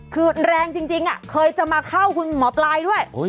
คือแรงจริงเคยจะมาเข้าคุณหมอปลายด้วย